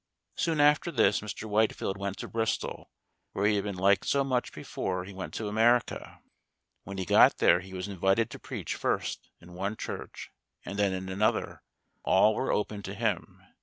Soon after this Mr. Whitefield went to Bristol, where he had been liked so much before he went to America. When he got there he was invited to preach first in one church and then in another, all were open to him.